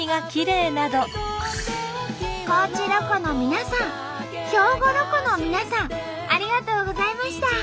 高知ロコの皆さん兵庫ロコの皆さんありがとうございました！